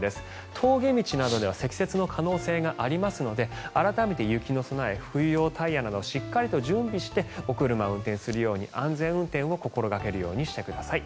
峠道などでは積雪の可能性がありますので改めて雪の備え冬用タイヤなどしっかりと準備してお車を運転するように安全運転を心掛けるようにしてください。